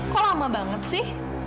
kok lama banget sih